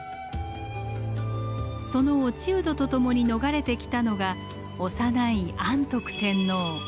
その落人とともに逃れてきたのが幼い安徳天皇。